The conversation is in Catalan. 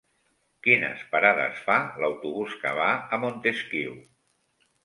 Quines parades fa l'autobús que va a Montesquiu?